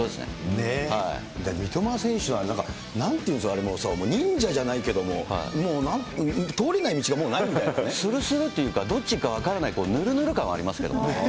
三笘選手は、なんていうんですか、もう忍者じゃないですけど、もう通れない道がもうないんだよするするというか、どっちに行くか分からないぬるぬる感はありますね。